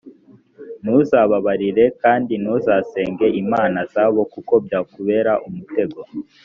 ntuzabababarire; kandi ntuzasenge imana zabo, kuko byakubera umutego.